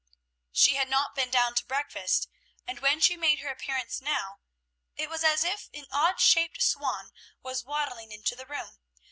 She had not been down to breakfast, and when she made her appearance now, it was as if an odd shaped swan was waddling into the room.